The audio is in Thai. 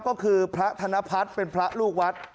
ก็คือพระธนพัฒน์เป็นพระลูกวัด